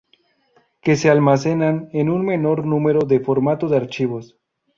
Que se almacenan en un menor número de formato de archivos.